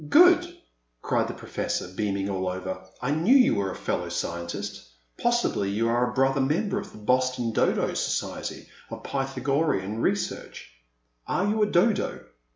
364 The Man at the Next Table. "Good! cried the Professor, beaming all over. I knew you were a fellow scientist. Possibly you are a brother member of the Boston Dodo Society of Pythagorean Research. Are you a Dodo?'